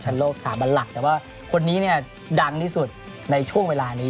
โลกสถาบันหลักแต่ว่าคนนี้เนี่ยดังที่สุดในช่วงเวลานี้